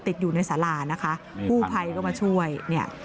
ติดอยู่ในสารานะคะกู้ภัยก็มาช่วยเนี่ย